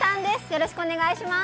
よろしくお願いします